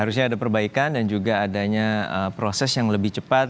harusnya ada perbaikan dan juga adanya proses yang lebih cepat